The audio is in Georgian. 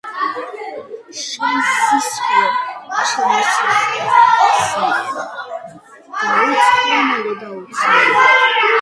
შენ სისხლო ჩემოსისხლო ხნიერო, დაუცხრომელო და უცნაურო...